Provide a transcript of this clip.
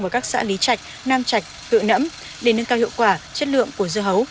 và các xã lý trạch nam trạch hựa nẫm để nâng cao hiệu quả chất lượng của dưa hấu